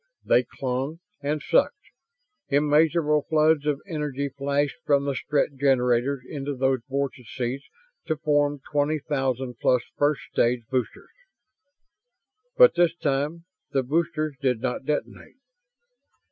They clung and sucked. Immeasurable floods of energy flashed from the Strett generators into those vortices to form twenty thousand plus first stage boosters. But this time the boosters did not detonate.